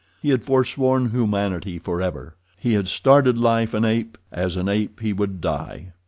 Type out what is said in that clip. He had foresworn humanity forever. He had started life an ape—as an ape he would die.